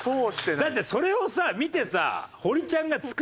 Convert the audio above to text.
だってそれをさ見てさ。